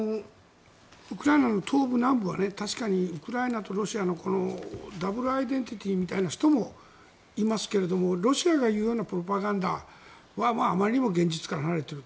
ウクライナの東部、南部は確かにウクライナとロシアのダブルアイデンティティーみたいな人もいますけどもロシアが言うようなプロパガンダはあまりにも現実から離れている。